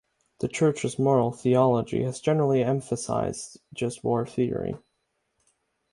The Church's moral theology has generally emphasised just war theory.